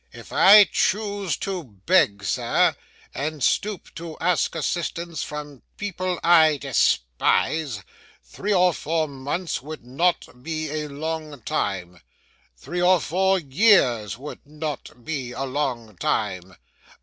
'If I chose to beg, sir, and stoop to ask assistance from people I despise, three or four months would not be a long time; three or four years would not be a long time.